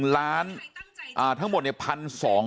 ล้านทั้งหมดเนี่ย๑๒๐๐บาท